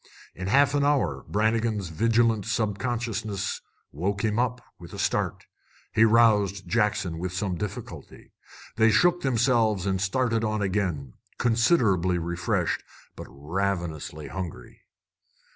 In a half hour Brannigan's vigilant subconsciousness woke him up with a start. He roused Jackson with some difficulty. They shook themselves and started on again, considerably refreshed, but ravenously hungry.